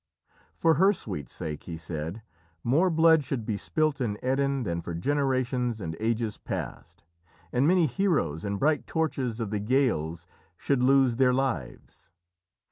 For her sweet sake, he said, more blood should be spilt in Erin than for generations and ages past, and many heroes and bright torches of the Gaels should lose their lives.